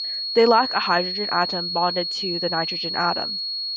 They lack a hydrogen atom bonded to the nitrogen atom.